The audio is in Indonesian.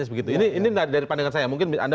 begitu ini dari pandangan saya mungkin anda